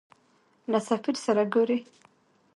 له سفیر سره ګورې.